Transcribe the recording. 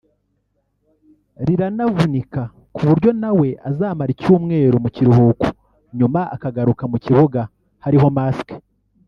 riranavunika ku buryo nawe azamara icyumweru mu kiruhuko nyuma akagaruka mu kibuga hariho masque